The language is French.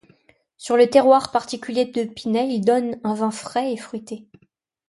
Sur le terroir particulier de Pinet, il donne un vin frais et fruité.